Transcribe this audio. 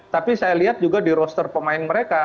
tapi saya lihat juga di roaster pemain mereka